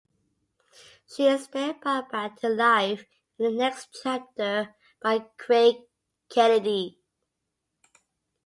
She is then brought back to life in the next chapter by Craig Kennedy.